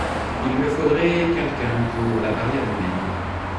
Il me faudrait quelqu’un pour la barrière du Maine.